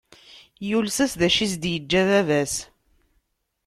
Yules-as d acu i as-d-yeǧǧa baba-s.